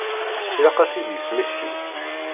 Ilaq ad t-id-yesmekti.